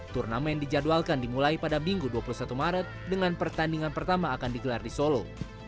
turnamen dijadwalkan dimulai pada minggu dua puluh satu maret dengan pertandingan pertama akan digelar di solo